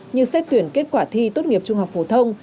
như xét tuyển kết quả thi tốt nghiệp trung học phổ thông